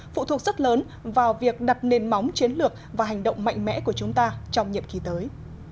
phụ thuộc rất lớn vào việc đặt nền móng chiến lược và hành động mạnh mẽ của chúng ta trong nhiệm kỳ tới